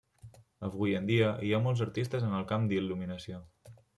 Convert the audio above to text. Avui en dia, hi ha molts artistes en el camp d'il·luminació.